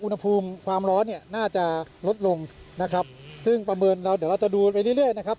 อุณหภูมิความร้อนเนี่ยน่าจะลดลงนะครับซึ่งประเมินเราเดี๋ยวเราจะดูไปเรื่อยเรื่อยนะครับ